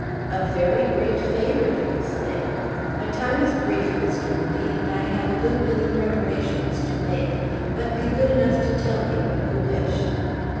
"A very great favor, do you say? My time is brief, Mr. Moodie, and I have a good many preparations to make. But be good enough to tell me what you wish."